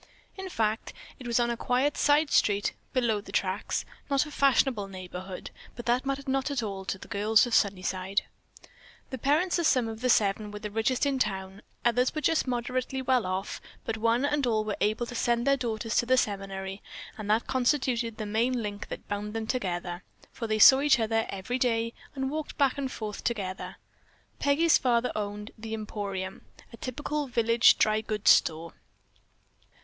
In fact, it was on a quiet side street "below the tracks," not a fashionable neighborhood, but that mattered not at all to the girls of Sunnyside. The parents of some of the seven were the richest in town, others were just moderately well off, but one and all were able to send their daughters to the seminary, and that constituted the main link that bound them together, for they saw each other every day and walked back and forth together. Peggy's father owned "The Emporium," a typical village dry goods store.